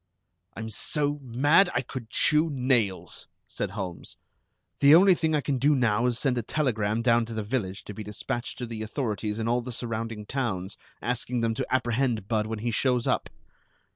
"I'm so mad I could chew nails," said Holmes. "The only thing I can do now is to send a telegram down to the village to be dispatched to the authorities in all the surrounding towns, asking them to apprehend Budd when he shows up.